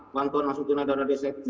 bantuan langsung tunai dana desa itu